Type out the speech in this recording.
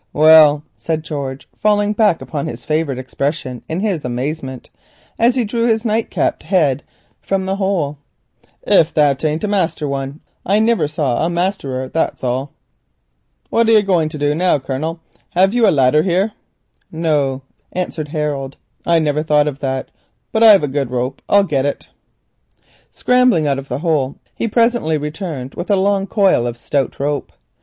"Well," said George, falling back upon his favourite expression in his amazement, as he drew his nightcapped head from the hole, "if that ain't a master one, I niver saw a masterer, that's all. "What be you a going to du now, Colonel? Hev you a ladder here?" "No," answered Harold, "I never thought of that, but I've a good rope: I'll get it." Scrambling out of the hole, he presently returned with a long coil of stout rope.